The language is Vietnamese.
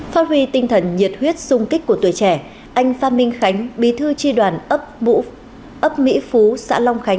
phát huy tinh thần nhiệt huyết sung kích của tuổi trẻ anh pha minh khánh bí thư tri đoàn ấp mỹ phú xã long khánh